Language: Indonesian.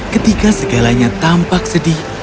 ketika segalanya tampak sedih